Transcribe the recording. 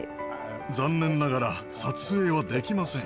残念ながら撮影はできません。